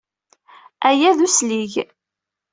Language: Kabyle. Aya d uslig.